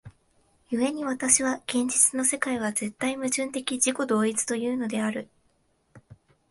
故に私は現実の世界は絶対矛盾的自己同一というのである。